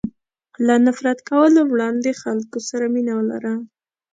له نفرت کولو وړاندې خلکو سره مینه ولره.